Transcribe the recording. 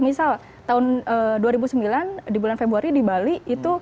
misal tahun dua ribu sembilan di bulan februari di bali itu